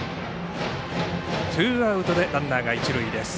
ツーアウトでランナーが一塁です。